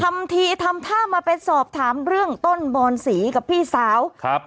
ทำทีทำท่ามาเป็นสอบถามเรื่องต้นบอนสีกับพี่สาวครับ